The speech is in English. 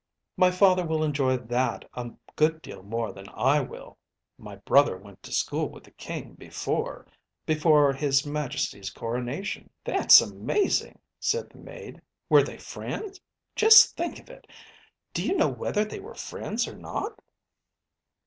"My father will enjoy that a good deal more than I will. My brother went to school with the King before ... before his Majesty's coronation." "That's amazing," said the maid. "Were they friends? Just think of it? Do you know whether they were friends or not?"